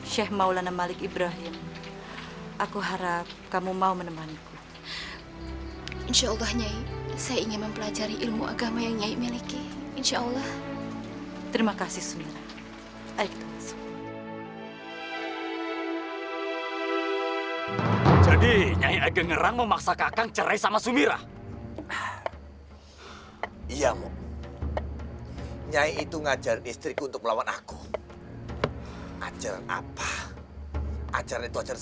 sampai jumpa di video selanjutnya